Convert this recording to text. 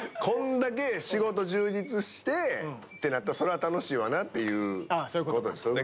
こんだけ仕事充実してってなったらそれは楽しいわなっていうことです。